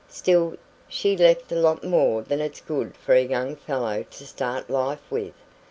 Still, she left a lot more than it's good for a young fellow to start life with.